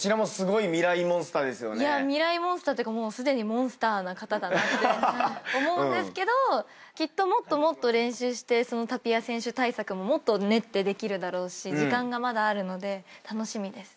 ミライ☆モンスターというかすでにモンスターな方だなって思うんですけどきっともっともっと練習してタピア選手対策ももっと練ってできるだろうし時間がまだあるので楽しみです。